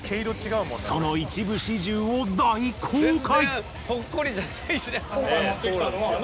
その一部始終を大公開！